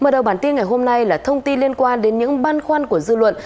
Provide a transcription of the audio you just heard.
mở đầu bản tin ngày hôm nay là thông tin liên quan đến những băn khoăn của dư luận